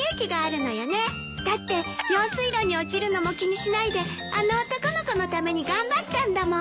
だって用水路に落ちるのも気にしないであの男の子のために頑張ったんだもん。